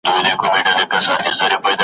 بلبل به په سرو سترګو له ګلڅانګو ځي، کوچېږي .